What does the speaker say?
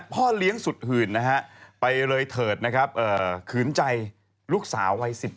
พ่อเลี้ยงสุดหื่นนะฮะไปเลยเถิดนะครับขืนใจลูกสาววัย๑๗